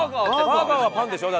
バーガーはパンですよね。